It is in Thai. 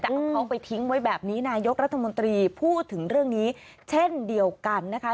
แต่เอาเขาไปทิ้งไว้แบบนี้นายกรัฐมนตรีพูดถึงเรื่องนี้เช่นเดียวกันนะคะ